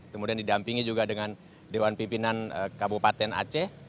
kemudian didampingi juga dengan dewan pimpinan kabupaten aceh